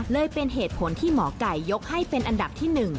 เลยเป็นเหตุผลที่หมอไก่ยกให้เป็นอันดับที่๑